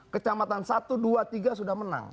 kecamatan satu dua tiga sudah menang